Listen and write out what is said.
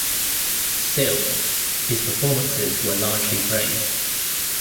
Still, his performances were largely praised.